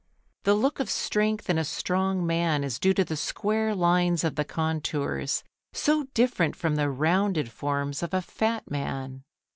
The look of strength in a strong man is due to the square lines of the contours, so different from the rounded forms of a fat man.